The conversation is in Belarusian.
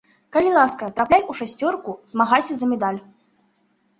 Калі ласка, трапляй у шасцёрку, змагайся за медаль.